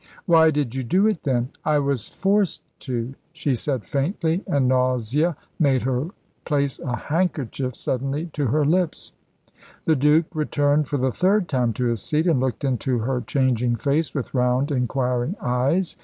"Why did you do it, then?" "I was forced to," she said faintly, and nausea made her place a handkerchief suddenly to her lips. The Duke returned for the third time to his seat and looked into her changing face with round inquiring eyes.